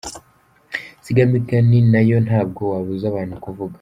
Insigamigani nayo ntabwo wabuza abantu kuvuga.